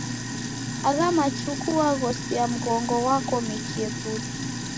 Agha matuku waghosia mghongo ghwaghomekie putu.